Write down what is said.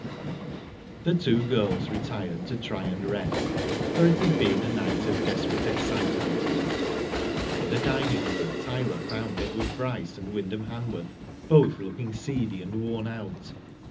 The two girls retired to try and rest, for it had been a night of desperate excitement to them. In the dining room, Tyler found Edward Bryce and Wyndham Hanworth, both looking seedy and worn out.